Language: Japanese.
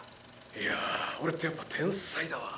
「いやー俺ってやっぱ天才だわ！」